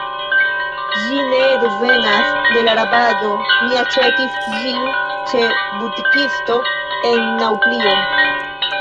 Ĝi ne devenas de la rabado; mi aĉetis ĝin ĉe butikisto, en Naŭplio.